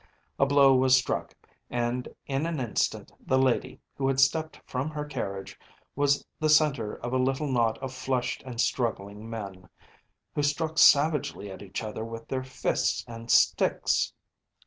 A blow was struck, and in an instant the lady, who had stepped from her carriage, was the centre of a little knot of flushed and struggling men, who struck savagely at each other with their fists and sticks.